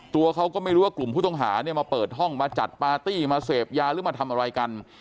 ตัวเขาก็ไม่รู้ว่ากลุ่มผู้ต้องหาเนี่ยมาเปิดห้องมาจัดปาร์ตี้มาเสพยาหรือมาทำอะไรกัน